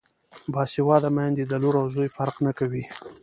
باسواده میندې د لور او زوی فرق نه کوي.